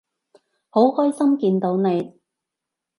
好開心見到你